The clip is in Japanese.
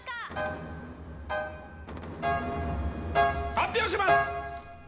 発表します！